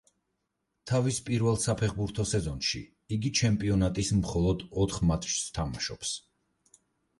თავის პირველ საფეხბურთო სეზონში იგი ჩემპიონატის მხოლოდ ოთხ მატჩს თამაშობს.